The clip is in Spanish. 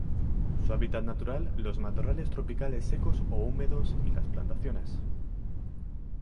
Su hábitat natural los matorrales tropicales secos o húmedos y las plantaciones.